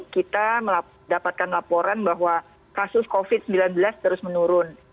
kita mendapatkan laporan bahwa kasus covid sembilan belas terus menurun